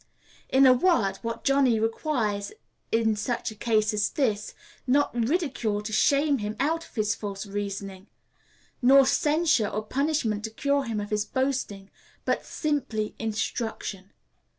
In a word, what Johnny requires in such a case as this is, not ridicule to shame him out of his false reasoning, nor censure or punishment to cure him of his boasting, but simply instruction.